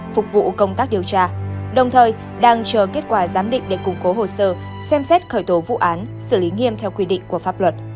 phục vụ công tác điều tra đồng thời đang chờ kết quả giám định để củng cố hồ sơ xem xét khởi tố vụ án xử lý nghiêm theo quy định của pháp luật